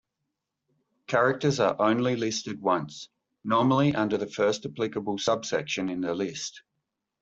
Characters are only listed once, normally under the first applicable subsection in the list.